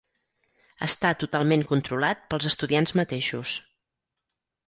Està totalment controlat pels estudiants mateixos.